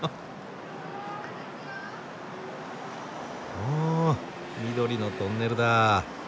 お緑のトンネルだ。